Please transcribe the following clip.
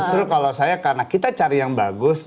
justru kalau saya karena kita cari yang bagus